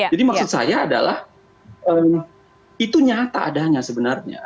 maksud saya adalah itu nyata adanya sebenarnya